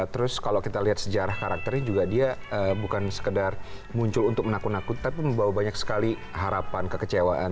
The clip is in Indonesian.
terus kalau kita lihat sejarah karakternya juga dia bukan sekedar muncul untuk menakut nakut tapi membawa banyak sekali harapan kekecewaan